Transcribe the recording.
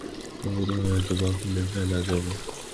তবে তা হয়তো-বা খুলে ফেলা যাবে।